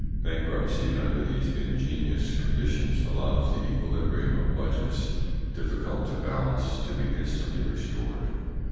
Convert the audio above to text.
Bankruptcy under these ingenious conditions allows the equilibrium of Budgets difficult to balance to be instantly restored.